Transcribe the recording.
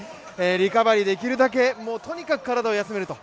リカバリー、できるだけとにかく体を休めると。